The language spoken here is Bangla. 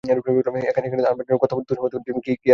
এখানে আনবার জন্য কত তোশামোদ করছি, কী আর বলব তোমাকে।